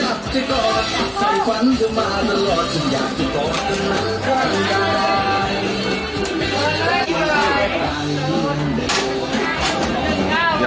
อยากจะรู้เหมือนกันอะ